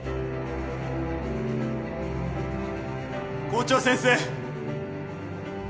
・校長先生。